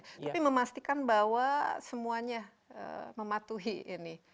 tapi memastikan bahwa semuanya mematuhi ini